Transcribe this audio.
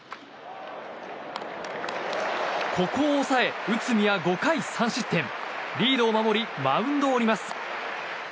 ここを抑え内海は５回３失点リードを守りマウンドを降ります。